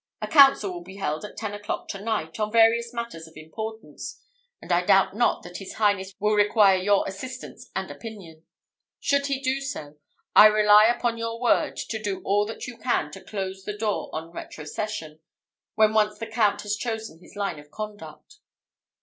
A council will be held at ten o'clock to night, on various matters of importance; and I doubt not that his highness will require your assistance and opinion. Should he do so, I rely upon your word to do all that you can to close the door on retrocession, when once the Count has chosen his line of conduct."